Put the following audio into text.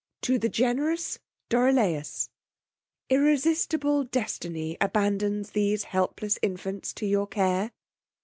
To the generous DORISLAUS: 'Irresistible destiny abandons these helpless infants to your care.